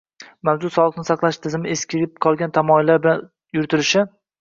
mavjud sog‘liqni saqlash tizimi eskirib qolgan tamoyillar bilan yuritilishi